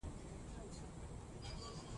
مور د ماشومانو د روغتیا لپاره تازه میوه ورکوي.